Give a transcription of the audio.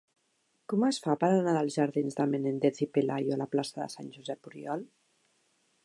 Com es fa per anar dels jardins de Menéndez y Pelayo a la plaça de Sant Josep Oriol?